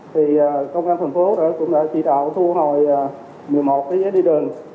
thì công an tp hcm cũng đã chỉ đạo thu hồi một mươi một cái giấy đi đường